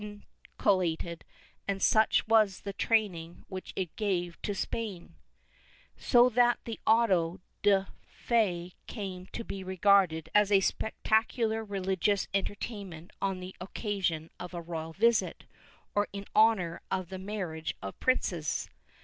II] PROFITABLE PERSECUTION 527 the Church mculcated and such was the training which it gave to Spain, so that the auto de fe came to be regarded as a spectac ular rehgious entertainment on the occasion of a royal visit, or in honor of the marriage of princes.